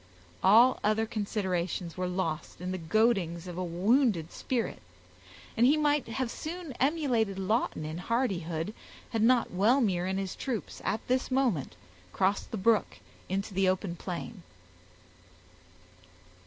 All other considerations were lost in the goadings of a wounded spirit, and he might have soon emulated Lawton in hardihood, had not Wellmere and his troops at this moment crossed the brook into the open plain.